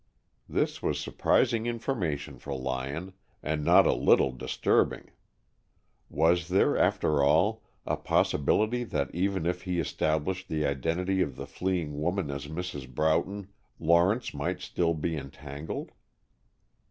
This was surprising information for Lyon, and not a little disturbing. Was there, after all, a possibility that even if he established the identity of the fleeing woman as Mrs. Broughton, Lawrence might still be entangled?